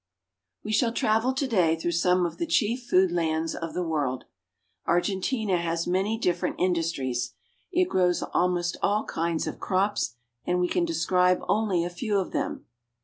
WE shall travel to day through some of the chief food lands of the world. Argentina has many different industries. It grows almost all kinds of crops, and we can describe only a few of them.